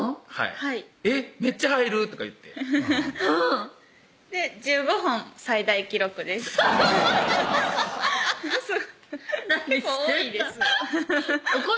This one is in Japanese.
はい「めっちゃ入る」とか言って１５本最大記録です何してんだ